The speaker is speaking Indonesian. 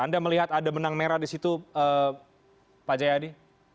anda melihat ada menang merah di situ pak jayadi